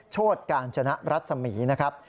โชดการชนะรัฐสมีย์นะครับ